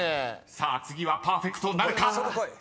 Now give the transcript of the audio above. ［さあ次はパーフェクトなるか？］